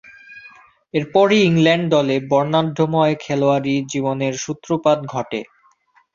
এরপরই ইংল্যান্ড দলে বর্ণাঢ্যময় খেলোয়াড়ী জীবনের সূত্রপাত ঘটে।